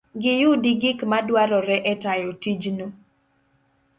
giyudi gik madwarore e tayo tijno.